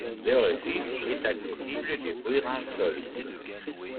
Le refuge est accessible depuis Ransol.